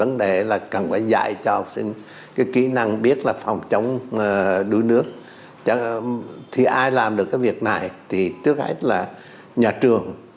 ngày chín bảy là ngày thi dự phòng